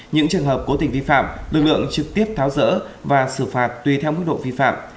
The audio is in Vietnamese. những trường hợp cố tình vi phạm lực lượng trực tiếp tháo rỡ và xử phạt tùy theo mức độ vi phạm